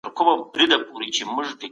کله باید د ذهني سکون لپاره ژوره ساه واخلو؟